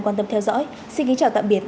quan tâm theo dõi xin kính chào tạm biệt